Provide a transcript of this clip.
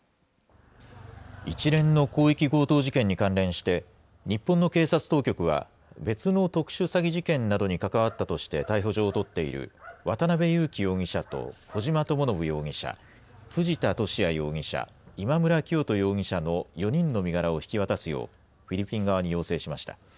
一連の広域強盗事件に関連して、日本の警察当局は、別の特殊詐欺事件などに関わったとして、逮捕状を取っている渡邉優樹容疑者と小島智信容疑者、藤田聖也容疑者、今村磨人容疑者の４人の身柄を引き渡すよう、フィリピン側に要請しました。